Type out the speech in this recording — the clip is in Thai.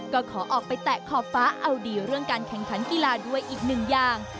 ก็ขอออกไปแตะขอบฟ้าเอาดีเรื่องการแข่งขันกีฬาด้วยอีกหนึ่งอย่าง